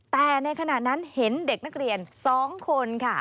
แต่ในขณะนั้นเห็นเด็กนักเรียน๒คนค่ะ